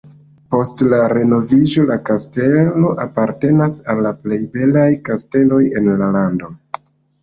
Post le renoviĝo la kastelo apartenas al la plej belaj kasteloj en la lando.